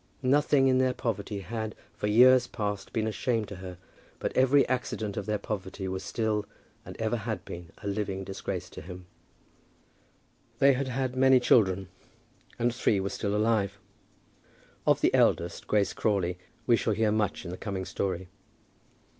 Nothing in their poverty had, for years past, been a shame to her; but every accident of their poverty was still, and ever had been, a living disgrace to him. [Illustration: Mr. and Mrs. Crawley.] They had had many children, and three were still alive. Of the eldest, Grace Crawley, we shall hear much in the coming story.